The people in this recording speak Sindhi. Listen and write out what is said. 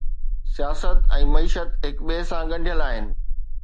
سياست ۽ معيشت هڪ ٻئي سان ڳنڍيل آهن